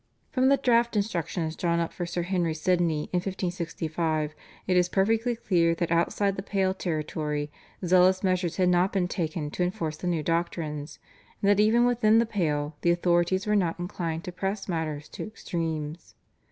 From the draft instructions drawn up for Sir Henry Sidney in 1565 it is perfectly clear that outside the Pale territory zealous measures had not been taken to enforce the new doctrines, and that even within the Pale the authorities were not inclined to press matters to extremes.